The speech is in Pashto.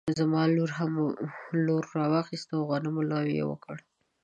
زما لور هم لور راواخيستی او د غنمو لو يې وکړی